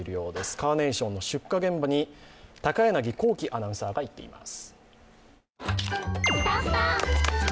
カーネーションの出荷現場に高柳光希アナウンサーが行っています。